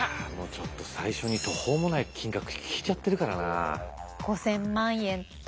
ちょっと最初に途方もない金額聞いちゃってるからなあ。